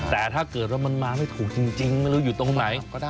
แต่ถ้าเกิดแล้วมันมาไม่ถูกจริงแล้วอยู่ตรงไหน